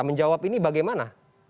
menjawab ini bagaimana